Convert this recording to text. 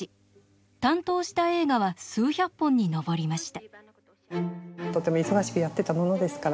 担当した映画は数百本に上りました。